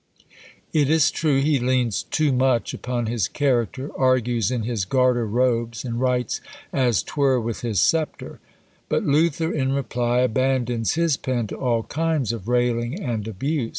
It is true he leans too much upon his character, argues in his garter robes, and writes as 'twere with his sceptre." But Luther in reply abandons his pen to all kinds of railing and abuse.